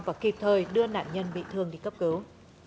và kịp thời đưa nạn nhân bị thương đi cấp cứu